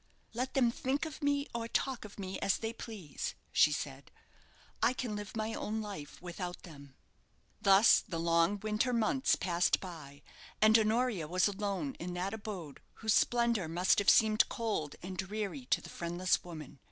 "Let them think of me or talk of me as they please," she said; "I can live my own life without them." Thus the long winter months passed by, and Honoria was alone in that abode whose splendour must have seemed cold and dreary to the friendless woman.